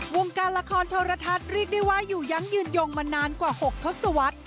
วงการละครโทรทัศน์เรียกได้ว่าอยู่ยั้งยืนยงมานานกว่า๖ทศวรรษ